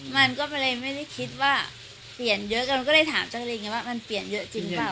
มันก็เพราะเลยไม่ได้คิดว่าเปลี่ยนเยอะกันก็เลยถามเจ้าคนนี้ว่ามันเปลี่ยนเยอะจริงหรือเปล่า